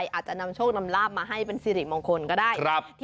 อาจจะนำโชคนำลาบมาให้เป็นสิริมงคลก็ได้